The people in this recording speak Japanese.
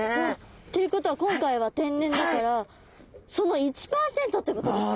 っていうことは今回は天然だからその１％ってことですか？